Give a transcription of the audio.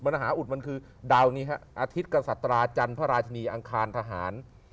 มหาอุดมันคือดาวนี้ฮะอาทิตย์กษัตราจันทร์พระราชินีอังคารทหาร